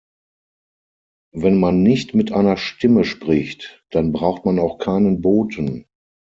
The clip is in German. Wenn man nicht mit einer Stimme spricht, dann braucht man auch keinen Boten.